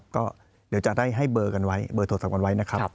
ก็เดี๋ยวจะได้ให้เบอร์กันไว้เบอร์โทรศัพท์กันไว้นะครับ